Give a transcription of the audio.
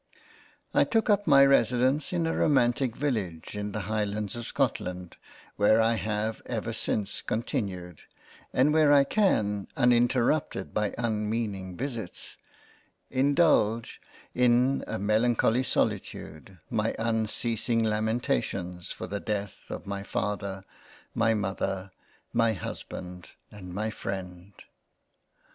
I took up my Residence in a romantic Village in the High lands of Scotland where I have ever since continued, and where I can uninterrupted by unmeaning Visits, indulge in a melancholy solitude, my unceasing Lamentations for the Death of my Father, my Mother, my Husband and my Freind.